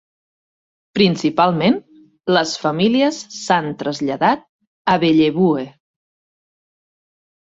Principalment, les famílies s'han traslladat a Bellevue.